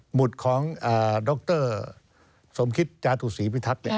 หุดของดรสมคิตจาตุศรีพิทักษ์